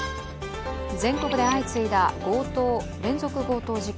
全国で相次いだ連続強盗事件。